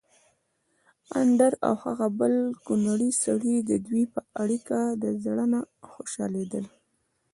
اندړ او هغه بل کونړی سړی ددوی په اړېکه د زړه نه خوشحاليدل